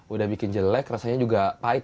udah bikin jelek rasanya juga pahit